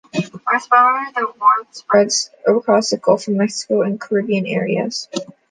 By summer, the warmth spreads across the Gulf of Mexico and Caribbean areas.